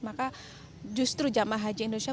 maka justru jemaah haji indonesia